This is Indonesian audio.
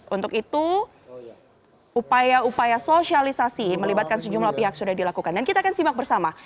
untuk itu upaya upaya sosialisasi melibatkan sejumlah pihak sudah dilakukan dan kita akan simak bersama